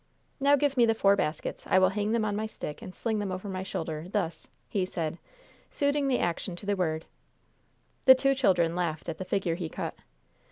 Now give me the four baskets; I will hang them on my stick and sling them over my shoulder, thus," he said, suiting the action to the word. The two children laughed at the figure he cut.